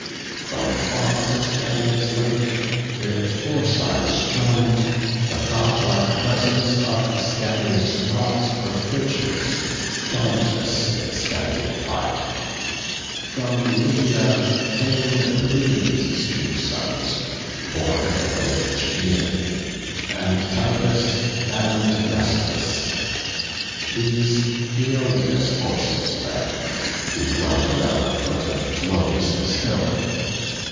From far Ascania's lake, with Phorcys join'd, The godlike presence of Ascanius brought The Phrygians, dauntless in the standing fight. From Lydia came Pylaemenes' two sons, Born of the lake Gygeian; Antiphus, And Mesthles; these Maeonia's forces led, Who dwelt around the foot of Tmolus' hill.